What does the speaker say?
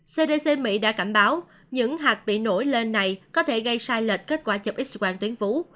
cdc mỹ đã cảnh báo những hạt bị nổi lên này có thể gây sai lệch kết quả chụp x quang tuyến phố